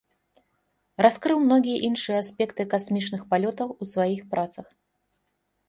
Раскрыў многія іншыя аспекты касмічных палётаў у сваіх працах.